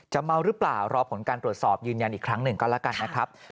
เมาหรือเปล่ารอผลการตรวจสอบยืนยันอีกครั้งหนึ่งก็แล้วกันนะครับ